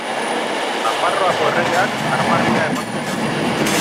Nafarroako erregeak, armarria eman zion.